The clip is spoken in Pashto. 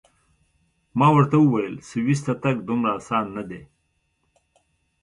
ما ورته وویل: سویس ته تګ دومره اسان نه دی.